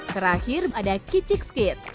terakhir ada kiciks kit